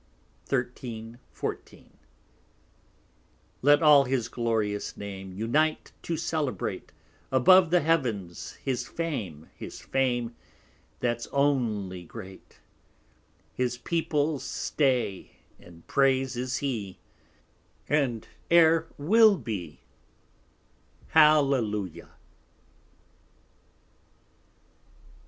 13, 14 _Let all his glorious Name Unite to celebrate; Above the Heaven's his Fame; His Fame that's only great: His Peoples Stay And Praise is He, And e're will be: Hallelujah.